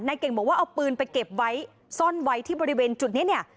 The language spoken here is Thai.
เก่งบอกว่าเอาปืนไปเก็บไว้ซ่อนไว้ที่บริเวณจุดนี้เนี่ย